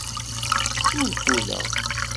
Ur ffudeɣ.